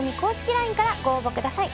ＬＩＮＥからご応募ください。